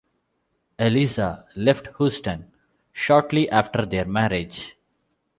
Eliza left Houston shortly after their marriage.